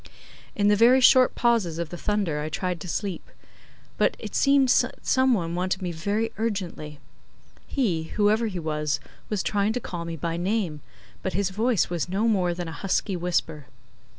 In the very short pauses of the thunder I tried to sleep, but it seemed that some one wanted me very urgently. He, whoever he was, was trying to call me by name, but his voice was no more than a husky whisper.